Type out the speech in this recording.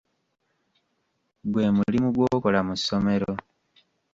Gwe mulimu gw'okola mu ssomero.